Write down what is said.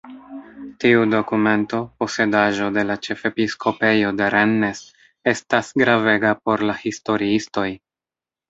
Tiu dokumento, posedaĵo de la ĉefepiskopejo de Rennes, estas gravega por la historiistoj.